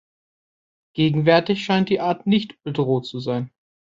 Gegenwärtig scheint die Art nicht bedroht zu sein.